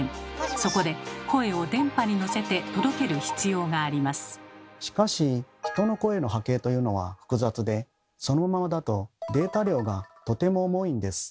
そこで声を電波にのせてしかし人の声の波形というのは複雑でそのままだとデータ量がとても重いんです。